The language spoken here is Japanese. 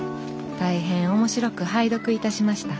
大変面白く拝読いたしました。